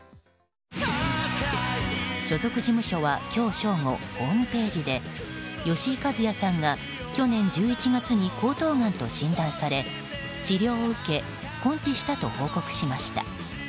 所属事務所は今日正午、ホームページで吉井和哉さんが去年１１月に喉頭がんと診断され治療を受け根治したと報告しました。